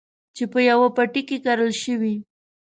چې په يوه پټي کې کرل شوي.